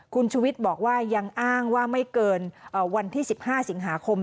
คุณชุวิตบอกว่ายังอ้างว่าไม่เกินวันที่๑๕สิงหาคม